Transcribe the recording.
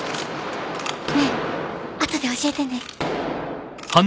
ねえ後で教えてね。